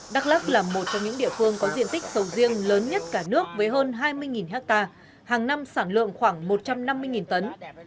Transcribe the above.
đắk lắc là một trong những địa phương có diện tích sầu riêng lớn nhất cả nước với hơn hai mươi ha hàng năm sản lượng khoảng một trăm năm mươi tấn